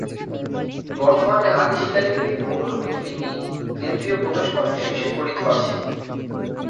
বর্তমানে আদি শিলালিপির অনুরূপ একটি লিপি কেন্দ্রীয় প্রবেশ পথের শীর্ষে প্রোথিত আছে।